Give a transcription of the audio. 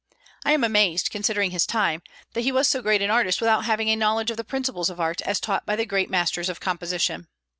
I am amazed, considering his time, that he was so great an artist without having a knowledge of the principles of art as taught by the great masters of composition.